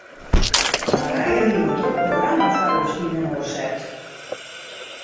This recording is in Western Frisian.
Marije hie in drok programma foar ús yninoar set.